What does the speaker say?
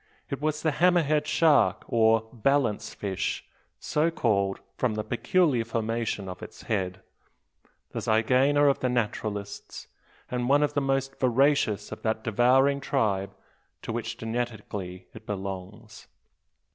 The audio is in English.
It was the "hammer head" shark, or balance fish, so called from the peculiar formation of its head, the zygaena of the naturalists, and one of the most voracious of that devouring tribe to which genetically it belongs.